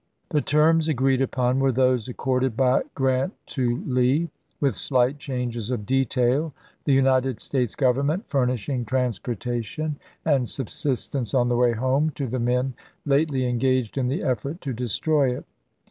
The terms agreed upon were those accorded by Grant to Lee, with slight changes of detail, the United States Government furnishing transporta tion and subsistence on the way home to the men lately engaged in the effort to destroy it.